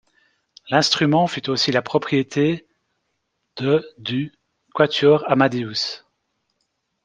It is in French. L'instrument fut aussi la propriété de du Quatuor Amadeus.